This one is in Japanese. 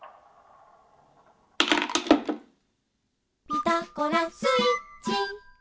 「ピタゴラスイッチ」